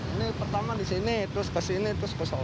ini pertama di sini terus ke sini terus ke sana